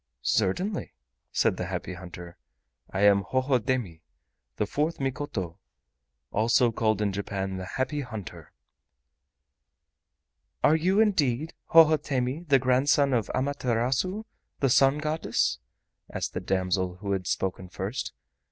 "Certainly," said the Happy Hunter, "I am Hohodemi, the fourth Mikoto, also called in Japan, the Happy Hunter." "Are you indeed Hohodemi, the grandson of Amaterasu, the Sun Goddess?" asked the damsel who had spoken first.